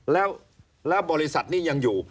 แล้วบริษัทนี้ยังอยู่